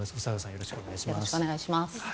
よろしくお願いします。